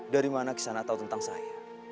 dari mana kesan atau tentang saya